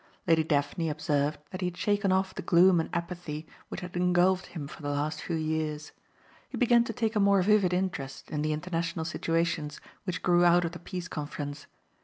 Lady Daphne observed that he had shaken off the gloom and apathy which had engulfed him for the last few years. He began to take a more vivid interest in the international situations which grew out of the Peace Conference.